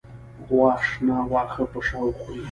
غوا شنه واخه په شوق خوری